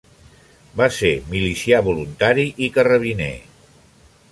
Va ser milicià voluntari i carrabiner.